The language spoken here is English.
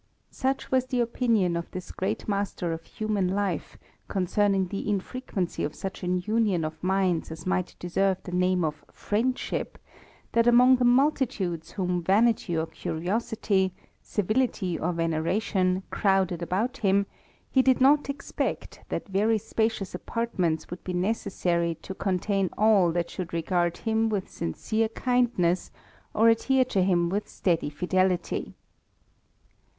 Such was the opinion of this great master of human life, concerning the infrequency of such an union of minds as might deserve the name of friendship, that among the multitudes whom vanity or curiosity, civility or veneration, crowded about him, he did not expect, that very spacious apartments would be necessary to contain all that should regard him with sincere kindness, or adhere to him with steady fidelity.